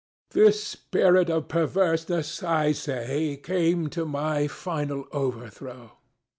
This spirit of perverseness, I say, came to my final overthrow.